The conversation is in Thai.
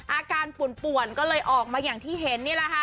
อาการปวนก็เลยออกมาอย่างที่เห็น